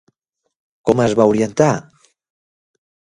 Com es va orientar?